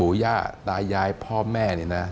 ปูย่าตายายพ่อแม่